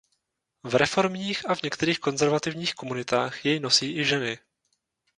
V reformních a v některých konzervativních komunitách jej nosí i ženy.